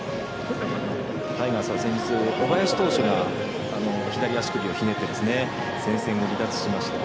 タイガースは先日小林投手が左足首をひねって戦線を離脱しました。